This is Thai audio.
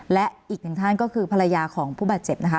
และอีกหนึ่งท่านก็คือภรรยาของผู้บาดเจ็บนะคะ